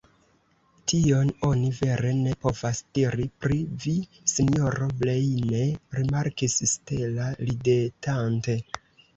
Tion oni vere ne povas diri pri vi, sinjoro Breine, rimarkis Stella ridetante.